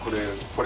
これ。